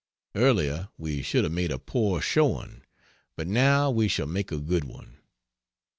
Earlier we should have made a poor showing; but now we shall make a good one.